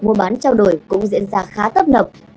mùa bán trao đổi cũng diễn ra khá tấp nập